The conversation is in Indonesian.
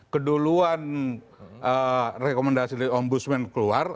keduluan rekomendasi dari ombudsman keluar